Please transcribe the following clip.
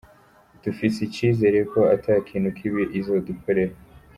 Dufise icizere ko ata kintu kibi izodukorera''.